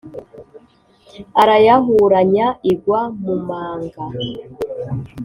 arayahuranya igwa mumanga